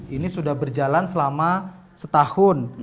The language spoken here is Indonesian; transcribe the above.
ini sudah berjalan selama setahun